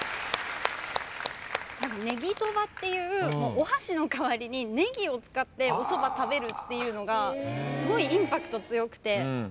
ねぎそばっていうお箸の代わりにネギを使っておそば食べるっていうのがすごいインパクト強くて。